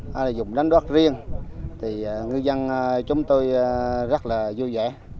hay là dùng đánh rót riêng thì ngư dân chúng tôi rất là vui vẻ